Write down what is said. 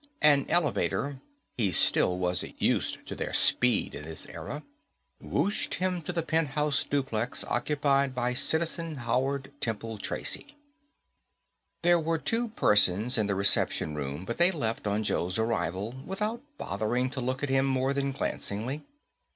An elevator he still wasn't used to their speed in this era whooshed him to the penthouse duplex occupied by Citizen Howard Temple Tracy. There were two persons in the reception room but they left on Joe's arrival, without bothering to look at him more than glancingly.